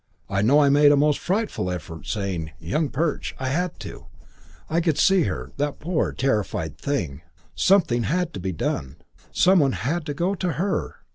I know I made a most frightful effort saying 'Young Perch.' I had to. I could see her that poor terrified thing. Something had to be done. Some one had to go to her.